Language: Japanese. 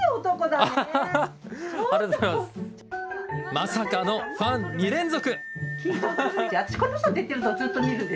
まさかのファン２連続！